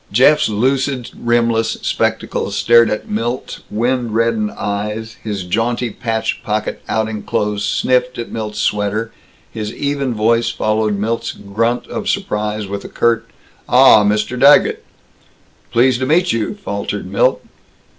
Jeff's lucid rimless spectacles stared at Milt's wind reddened eyes; his jaunty patch pocket outing clothes sniffed at Milt's sweater; his even voice followed Milt's grunt of surprise with a curt "Ah. Mr. Daggett." "Pleased meet you," faltered Milt.